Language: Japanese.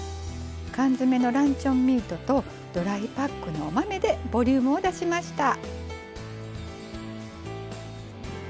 缶詰のランチョンミートとドライパックのお豆でボリュームを出しました。